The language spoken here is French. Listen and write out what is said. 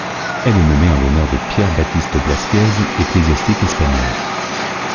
Elle est nommée en l'honneur de Pierre-Baptiste Blasquez, ecclésiastique espagnol.